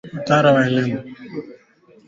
Kuenea kwa ugonjwa wa kimeta